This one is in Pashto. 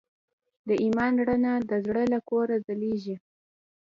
د ایمان رڼا د زړه له کوره ځلېږي.